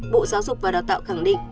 bộ giáo dục và đào tạo khẳng định